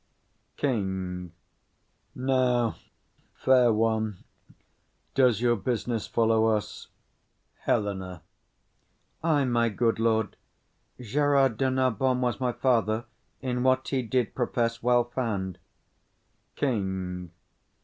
_] KING. Now, fair one, does your business follow us? HELENA. Ay, my good lord. Gerard de Narbon was my father, In what he did profess, well found. KING.